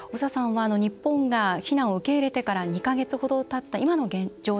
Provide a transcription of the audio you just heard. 日本が避難を受け入れてから２か月ほどたった今の現状